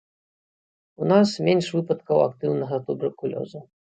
У нас менш выпадкаў актыўнага туберкулёзу.